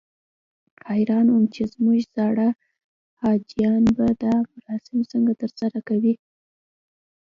حیران وم چې زموږ زاړه حاجیان به دا مراسم څنګه ترسره کوي.